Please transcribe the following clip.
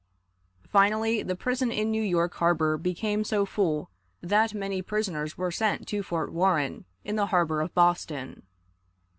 Finally, the prison in New York Harbor became so full that many prisoners were sent to Fort Warren in the harbor of Boston.